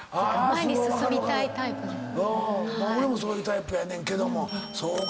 俺もそういうタイプやねんけども。